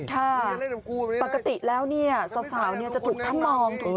ค่ะปกติแล้วเนี้ยสาวสาวเนี้ยจะถูกทำมองถูกป่ะ